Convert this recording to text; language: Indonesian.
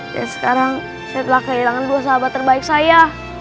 dan sekarang saya telah kehilangan dua sahabat terbaik saya